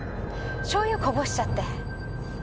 しょうゆこぼしちゃって。